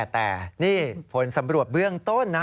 แต่นี่ผลสำรวจเบื้องต้นนะ